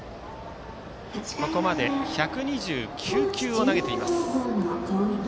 ここまで１２９球を投げています。